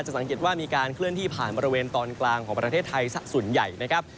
สังเกตว่ามีการเคลื่อนที่ผ่านบริเวณตอนกลางของประเทศไทยสักส่วนใหญ่นะครับ